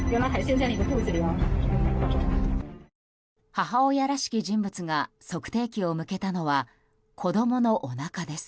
母親らしき人物が測定器を向けたのは子供のおなかです。